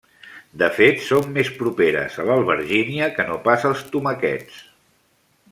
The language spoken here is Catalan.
De fet són més properes a l'albergínia que no pas als tomàquets.